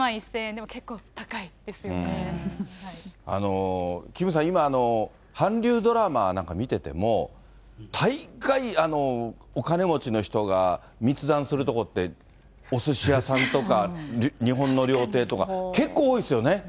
でも結構高キムさん、今、韓流ドラマなんか見てても、大概、お金持ちの人が密談する所って、おすし屋さんとか、日本の料亭とか、結構多いですよね。